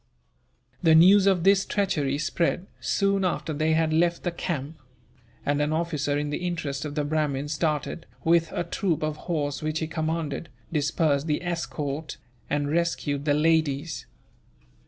The news of this treachery spread, soon after they had left the camp; and an officer in the interest of the Brahmins started, with a troop of horse which he commanded, dispersed the escort, and rescued the ladies.